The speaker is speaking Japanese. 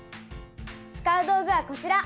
使う道具はこちら。